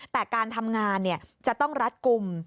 แต่การทำงานจะต้องรัดกลุ่ม